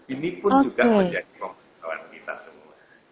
ini pun juga menjadi pembekalan kita semua